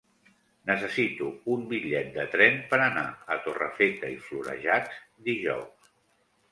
Necessito un bitllet de tren per anar a Torrefeta i Florejacs dijous.